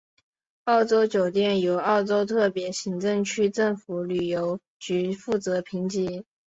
澳门酒店由澳门特别行政区政府旅游局负责评级。